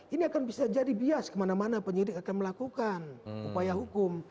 ini akan bisa jadi bias kemana mana penyidik akan melakukan upaya hukum